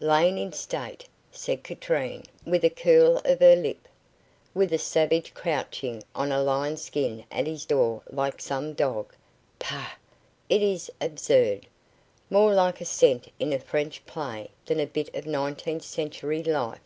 "Lain in state," said Katrine, with a curl of her lip. "With a savage crouching on a lion skin at his door like some dog. Pah! It is absurd. More like a scent in a French play than a bit of nineteenth century life."